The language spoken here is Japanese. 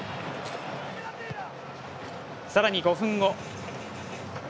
さらに、５分後。